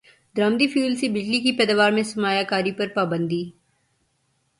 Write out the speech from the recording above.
درامدی fuel سے بجلی کی پیداوار میں سرمایہ کاری پر پابندی